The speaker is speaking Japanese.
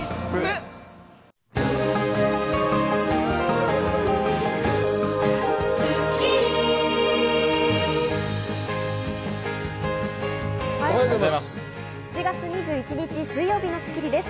おはようございます。